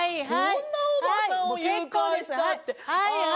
はい。